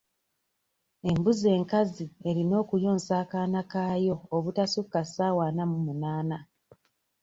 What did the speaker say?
Embuzi enkazi erina okuyonsa akaana kaayo obutasukka ssaawa ana mu munaana.